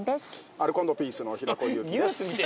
アルコ＆ピースの平子祐希です。